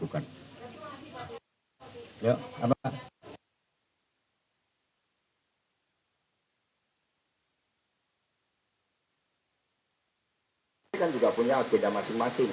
kami juga punya beda masing masing